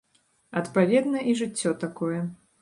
Адпаведна і жыццё такое.